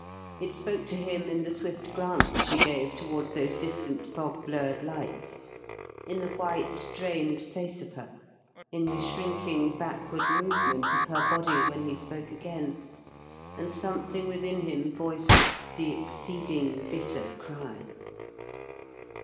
It spoke to him in the swift glance she gave toward those distant, fog blurred lights, in the white, drained face of her, in the shrinking backward movement of her body when he spoke again; and something within him voiced "the exceeding bitter cry."